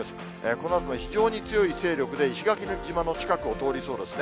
このあとも非常に強い勢力で、石垣島の近くを通りそうですね。